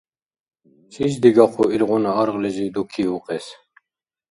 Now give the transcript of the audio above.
Чис дигахъу илгъуна аргълизив дуки укьес!